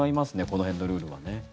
この辺のルールはね。